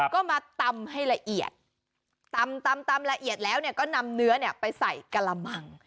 ก็มาตำให้ละเอียดตำตำตำละเอียดแล้วเนี่ยก็นำเนื้อเนี่ยไปใส่กะละมัง